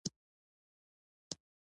د حق ملاتړ د ایمان نښه ده.